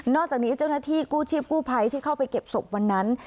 จากนี้เจ้าหน้าที่กู้ชีพกู้ภัยที่เข้าไปเก็บศพวันนั้น